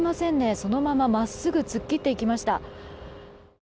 そのまま真っすぐ突っ切っていきました。